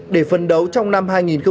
để phân đấu trong năm hai nghìn hai mươi